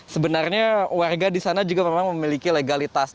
sebenarnya warga di sana juga memang memiliki legalitas